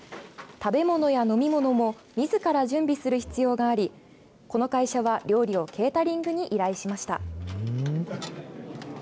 食べ物や飲み物もみずから準備する必要がありこの会社は、料理をケータリングに依頼しました。